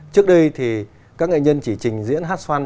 trước đây thì các nghệ nhân chỉ trình diễn hát xoan